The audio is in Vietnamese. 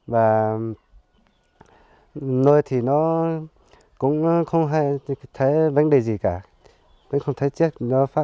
và nuôi thì nó cũng không thấy vấn đề gì cả nó không thấy chết nó phát triển trị rất tốt